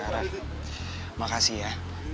rah makasih ya